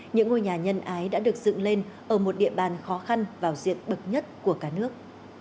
những ngôi nhà nhân ái đã được dựng lên ở một địa bàn khó khăn vào diện bậc nhất của cả nước